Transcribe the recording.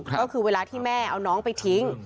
ก็คือเวลาที่แม่เอาน้องไปทิ้ง